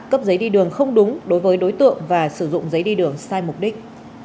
cấp giấy đi đường không đúng đối với đối tượng và sử dụng giấy đi đường sai mục đích